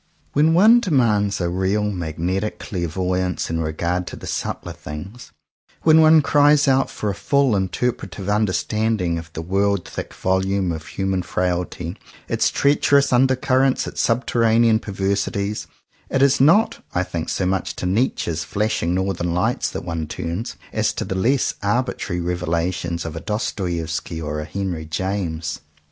When one demands a real magnetic clairvoyance in regard to the subtler things, when one cries out for a full interpretive understanding of the world thick volume of human fatality, its treacherous under currents, its subterranean perversities, it is not, I think so much to Nietzsche's flashing northern lights that one turns, as to the less arbitrary revelations of a Dostoevsky or a Henry James.